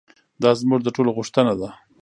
دا زموږ د ټولو غوښتنه ده.